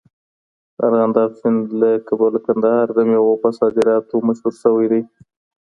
د ارغنداب سیند له کبله کندهار د میوو په صادراتو مشهور سوی دی.